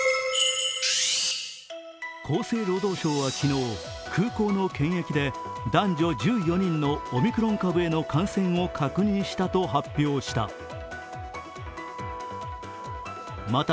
厚生労働省は昨日、空港の検疫で男女１４人のオミクロン株への感染を確認したと発表した。